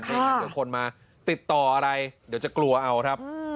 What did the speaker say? ถ้าเกิดคนมาติดต่ออะไรเดี๋ยวจะกลัวเอาครับ